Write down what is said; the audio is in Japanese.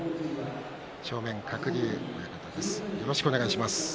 正面、鶴竜親方です。